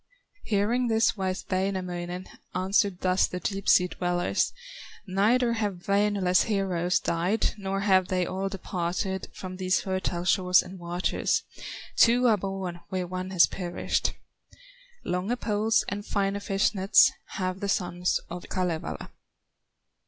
Hearing this wise Wainamoinen Answered thus the deep sea dwellers: "Neither have Wainola's heroes Died, nor have they all departed From these fertile shores and waters, Two are born where one has perished; Longer poles and finer fish nets Have the sons of Kalevala!"